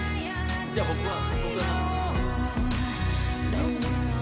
じゃあ僕は。